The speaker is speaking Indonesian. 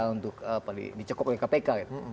untuk apa dicekuk oleh kpk